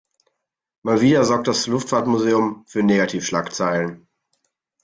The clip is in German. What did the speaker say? Mal wieder sorgt das Luftfahrtmuseum für Negativschlagzeilen.